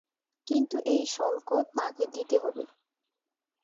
কিন্তু এই শুল্ক তাঁকে দিতে হবে।